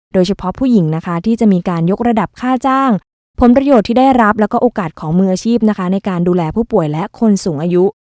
โดยเฉพาะผู้หญิงนะคะที่จะมีการยกระดับค่าจ้างผลประโยชน์ที่ได้รับแล้วก็โอกาสของมืออาชีพนะคะในการดูแลผู้ป่วยและคนสูงอายุ